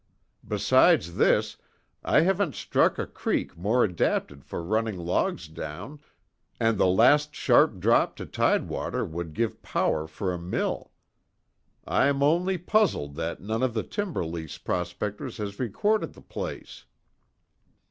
Besides this, I haven't struck a creek more adapted for running logs down, and the last sharp drop to tidewater would give power for a mill. I'm only puzzled that none of the timber lease prospectors has recorded the place."